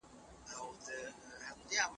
انا په قهرجنو سترگو د ماشوم نریو پښو ته وکتل.